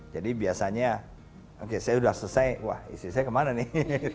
jadi biasanya oke saya sudah selesai wah istri saya kemana nih